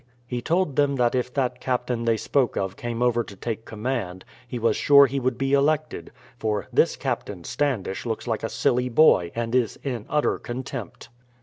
He told them that if that Captain they spoke of came over to take command, he was sure he would be elected, for "this Captain Standish looks like a silly boy, and is in utter contempt."